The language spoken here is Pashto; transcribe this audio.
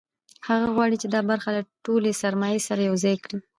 هغه غواړي چې دا برخه له ټولې سرمایې سره یوځای کړي